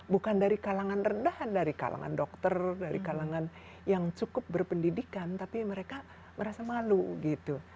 bukan dari kalangan rendahan dari kalangan dokter dari kalangan yang cukup berpendidikan tapi mereka merasa malu gitu